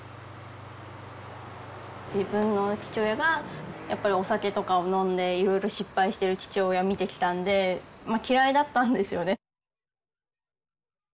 自分の父親がやっぱりお酒とかを飲んでいろいろ失敗してる父親を見てきたんでまあ嫌いだったんですよね。